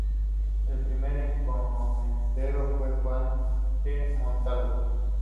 El primer encomendero fue Juan de Montalvo.